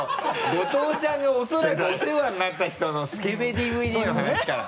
後藤ちゃんがおそらくお世話になった人のスケベＤＶＤの話から。